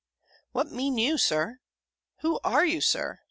"What mean you, Sir? Who are you, Sir?